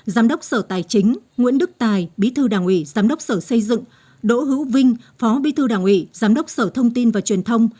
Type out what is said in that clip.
giám đốc sở tài chính nguyễn đức tài bí thư đảng ủy giám đốc sở xây dựng đỗ hữu vinh phó bí thư đảng ủy giám đốc sở thông tin và truyền thông